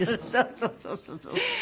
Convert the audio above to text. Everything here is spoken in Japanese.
そうそうそうそう。